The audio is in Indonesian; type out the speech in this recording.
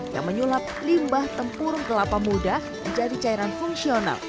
yang menyulap limbah tempur kelapa muda menjadi cairan fungsional